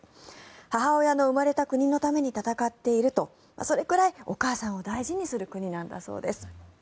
母親の生まれた国のために戦っているとそれくらいお母さんを大事にする国なんだそうです。